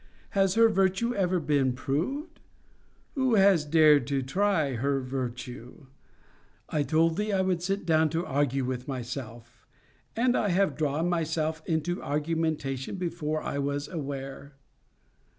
Has her virtue ever been proved? Who has dared to try her virtue? I told thee, I would sit down to argue with myself; and I have drawn myself into argumentation before I was aware.